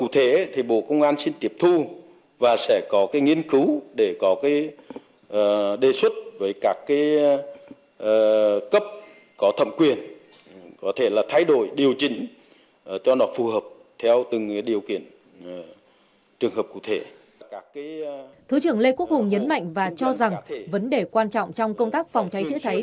thủ tướng lê quốc hùng nhấn mạnh và cho rằng vấn đề quan trọng trong công tác phòng cháy chữa cháy